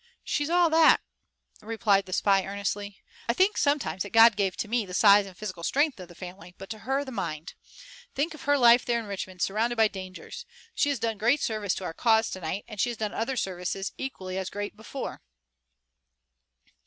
"She's all that," replied the spy earnestly. "I think sometimes that God gave to me the size and physical strength of the family, but to her the mind. Think of her life there in Richmond, surrounded by dangers! She has done great service to our cause tonight, and she has done other services, equally as great, before."